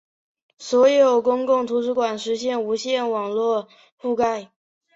所有公共图书馆实现无线网络覆盖。